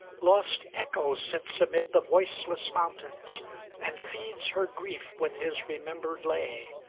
XV Lost Echo sits amid the voiceless moun tains, And feeds her grief with his remem bered lay.